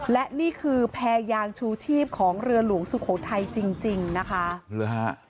และนี่คือแพรยางชูชีพของเรือหลวงสุโขทัยจริงจริงนะคะหรือฮะ